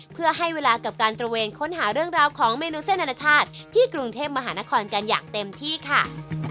เพื่อให้เวลากับการตระเวนค้นหาเรื่องราวของเมนูเส้นอนาชาติที่กรุงเทพมหานครกันอย่างเต็มที่ค่ะ